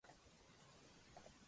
闘うよ！！